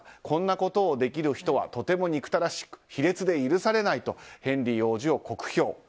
こんなことをできる人はとても憎たらしく卑劣で許されないとヘンリー王子を酷評。